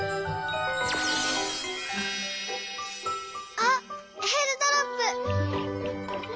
あっえーるドロップ！